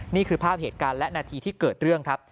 นี่คือภาพเหตุการณ์และนาทีที่เกิดเรื่องครับ